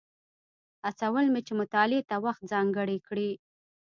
هڅول مې چې مطالعې ته وخت ځانګړی کړي.